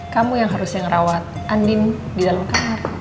kamu yang harus yang rawat andin di dalam kamar